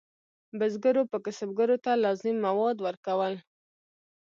بزګرو به کسبګرو ته لازم مواد ورکول.